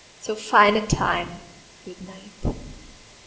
So fine a time ! Good night.